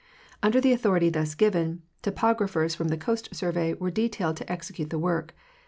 Under the authority thus given, topographers from the Coast Survey were detailed to execute the work.